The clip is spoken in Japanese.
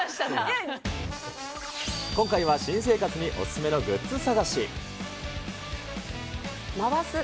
今回は新生活にお勧めのグッ回す。